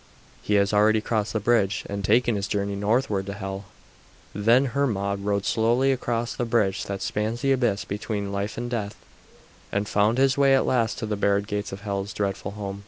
"He has already crossed the bridge and taken his journey northward to Hel." Then Hermod rode slowly across the bridge that spans the abyss between life and death, and found his way at last to the barred gates of Hel's dreadful home.